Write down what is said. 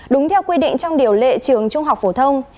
đúng theo quy định trong điều lệ trường trung học phổ thông